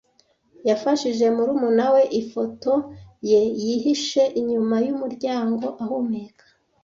Yafashije murumuna we ifoto ye. Yihishe inyuma yumuryango ahumeka.